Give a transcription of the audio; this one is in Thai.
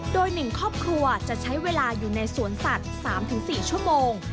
โดย๑ครอบครัวจะใช้เวลาอยู่ในสวนสัตว์๓๔ชั่วโมง